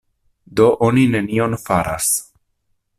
Do oni nenion faras.